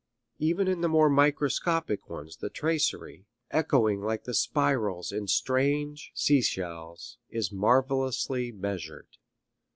Even in the more microscopic ones the tracery, echoing like the spirals in strange seashells, is marvellously measured.